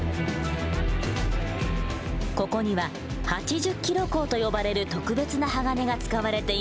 ここには「８０ｋｇ鋼」と呼ばれる特別な鋼が使われています。